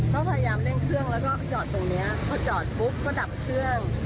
ก็พยายามเร่งเครื่องแล้วก็จอดตรงนี้พอจอดปุ๊บก็ดับเครื่อง